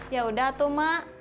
ya udah tuh mak